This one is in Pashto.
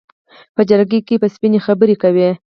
په جرګه کې به سپینې خبرې کوي.